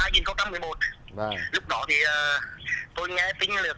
lúc đó thì tôi nghe tin là